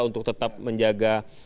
untuk tetap menjaga